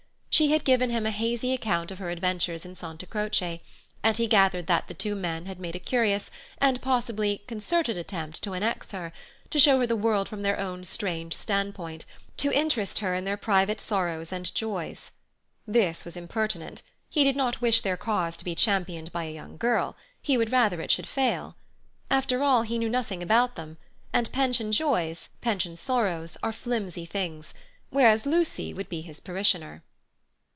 She had given him a hazy account of her adventures in Santa Croce, and he gathered that the two men had made a curious and possibly concerted attempt to annex her, to show her the world from their own strange standpoint, to interest her in their private sorrows and joys. This was impertinent; he did not wish their cause to be championed by a young girl: he would rather it should fail. After all, he knew nothing about them, and pension joys, pension sorrows, are flimsy things; whereas Lucy would be his parishioner.